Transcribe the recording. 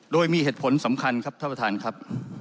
โดยมีเหตุผลสำคัญครับท่านประธานครับ